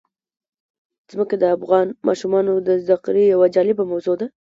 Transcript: ځمکه د افغان ماشومانو د زده کړې یوه جالبه موضوع ده.